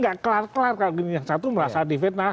gak kelar kelar kalau gini satu merasa difitnah